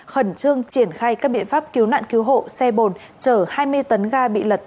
khẩn trương triển khai các biện pháp cứu nạn cứu hộ xe bồn chở hai mươi tấn ga bị lật